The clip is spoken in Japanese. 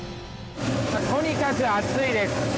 とにかく暑いです。